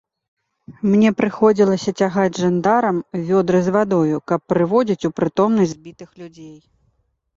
Мне прыходзілася цягаць жандарам вёдры з вадою, каб прыводзіць у прытомнасць збітых людзей.